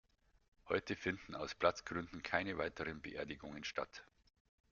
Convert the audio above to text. Heute finden aus Platzgründen keine weiteren Beerdigungen statt.